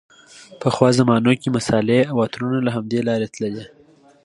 پخوا زمانو کې مصالحې او عطرونه له همدې لارې تللې.